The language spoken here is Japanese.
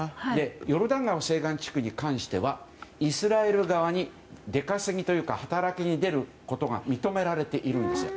ヨルダン川西岸地区に関してはイスラエル側に出稼ぎというか働きに出ることが認められているんです。